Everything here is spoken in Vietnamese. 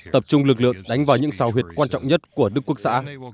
tập trung lực lượng đánh vào những sao huyệt quan trọng nhất của đức quốc xã